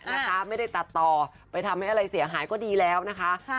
นะคะไม่ได้ตัดต่อไปทำให้อะไรเสียหายก็ดีแล้วนะคะ